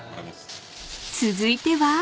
［続いては］